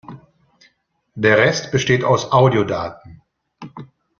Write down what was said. Der Rest besteht aus Audiodaten.